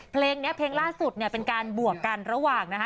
เพลงนี้เพลงล่าสุดเนี่ยเป็นการบวกกันระหว่างนะคะ